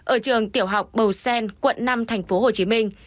ở trường tiểu học bầu sen quận năm thành phố hồ chí minh